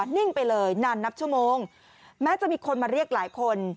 นิ่งไปเลยนานนับชั่วโมงแม้จะมีคนมาเรียกหลายคน